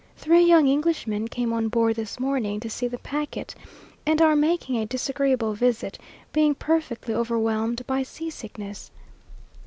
Three young Englishmen came on board this morning, to see the packet, and are making a disagreeable visit, being perfectly overwhelmed by sea sickness.